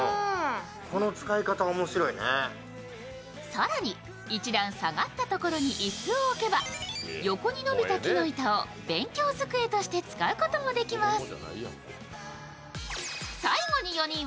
更に、一段下がったところに椅子を置けば横に伸びた木の板を勉強机として使うこともできます。